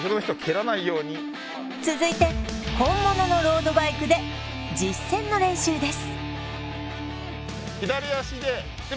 続いて本物のロードバイクで実践の練習です